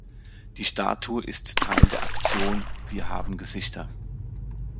Die Statue ist Teil der Aktion „Wir haben Gesichter“.